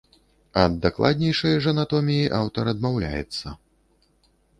Ад дакладнейшае ж анатоміі аўтар адмаўляецца.